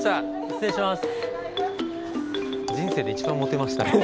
失礼します。